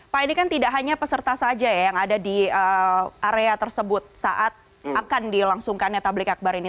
pak ini kan tidak hanya peserta saja ya yang ada di area tersebut saat akan dilangsungkannya tablik akbar ini